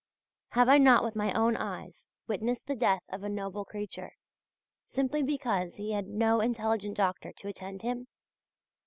Have I not with my own eyes witnessed the death of a noble creature, simply because he had no intelligent doctor to attend him?